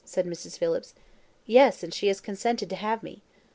said Mrs. Phillips. "Yes, and she has consented to have me."